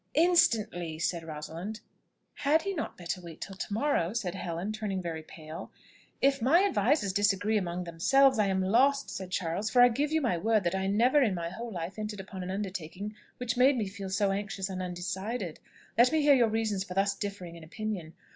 "Instantly!" said Rosalind. "Had he not better wait till to morrow?" said Helen, turning very pale. "If my advisers disagree among themselves, I am lost," said Charles; "for I give you my word that I never in my whole life entered upon an undertaking which made me feel so anxious and undecided. Let me hear your reasons for thus differing in opinion?